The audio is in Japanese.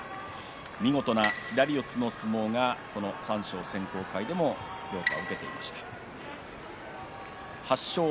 見事な左四つの相撲が三賞選考会でも話題になっていました。